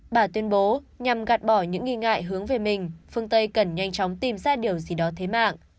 bà tuyên bố nhằm gạt bỏ những nghi ngại hướng về mình phương tây cần nhanh chóng tìm ra điều gì đó thế mạng